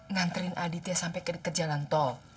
nganterin aditya sampai ke jalan tol